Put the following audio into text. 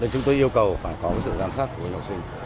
đến chúng tôi yêu cầu phải có sự giám sát của học sinh